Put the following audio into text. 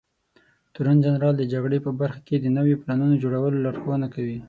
تورنجنرال د جګړې په برخه کې د نويو پلانونو جوړولو لارښونه کوي.